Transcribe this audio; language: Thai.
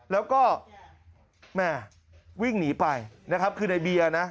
แล้วก็วิ่งหนีไปในเบียร์นะ